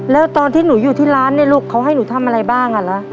แล้วตอนที่หนูอยู่ที่ร้านเนี่ยลูกเขาให้หนูทำอะไรบ้างอ่ะละ